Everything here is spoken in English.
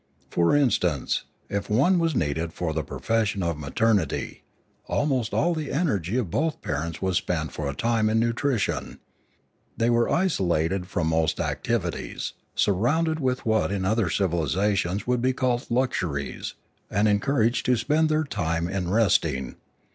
For instance, if one was needed for the profession of maternity, almost all the energy of both parents was spent for a time in nutrition; they were isolated from most activities, surrounded with what in other civilisations would be called luxur ies, and encouraged to spend their time in resting.